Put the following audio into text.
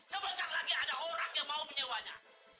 sebentar lagi ada orang yang mau menyewanya